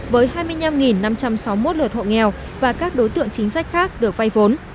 với hai mươi năm năm trăm sáu mươi một lượt hộ nghèo và các đối tượng chính sách khác được vay vốn